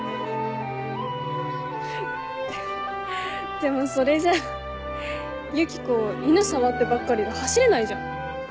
でもそれじゃあユキコ犬触ってばっかりで走れないじゃん。